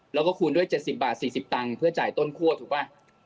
แล้วก็คูณด้วย๗๐บาท๔๐ตังค์เพื่อจ่ายต้นคั่วถูกป่ะ